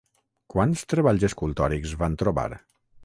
Quants treballs escultòrics van trobar?